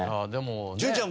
潤ちゃん